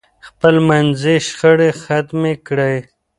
خپل منځي شخړې ختمې کړئ.